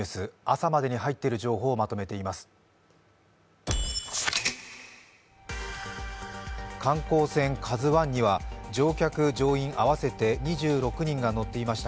朝までに入っている情報をまとめています。